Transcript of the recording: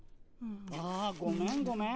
あごめんごめん。